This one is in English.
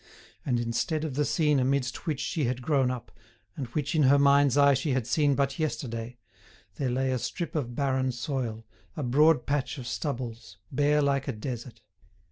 And instead of the scene amidst which she had grown up, and which in her mind's eye she had seen but yesterday, there lay a strip of barren soil, a broad patch of stubbles, bare like a desert.